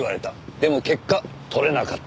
でも結果取れなかった。